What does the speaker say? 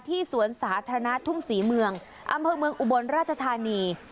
สวนสาธารณะทุ่งศรีเมืองอำเภอเมืองอุบลราชธานี